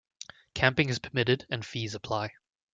Camping is permitted and fees apply.